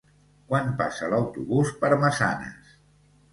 Quan passa l'autobús per Massanes?